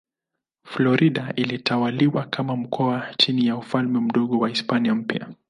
Florida ilitawaliwa kama mkoa chini ya Ufalme Mdogo wa Hispania Mpya.